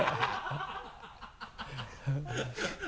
ハハハ